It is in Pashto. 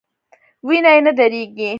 وینه یې نه دریږي.